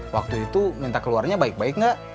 waktu itu minta keluarnya baik baik nggak